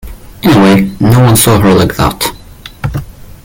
Anyway, no one saw her like that.